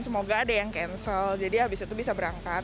semoga ada yang cancel jadi habis itu bisa berangkat